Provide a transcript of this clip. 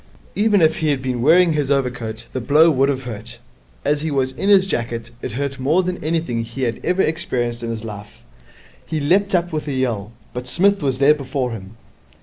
Even if he had been wearing his overcoat, the blow would have hurt. As he was in his jacket it hurt more than anything he had ever experienced in his life. He leapt up with a yell, but Psmith was there before him.